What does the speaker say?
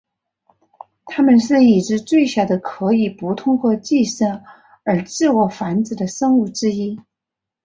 它们是已知最小的可以不通过寄生而自我繁殖的生物之一。